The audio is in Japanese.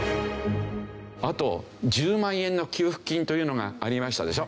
あと１０万円の給付金というのがありましたでしょ？